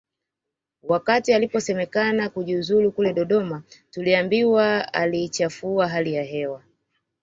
Wakati aliposemekana kujiuzulu kule Dodoma tuliambiwa aliichafua hali ya hewa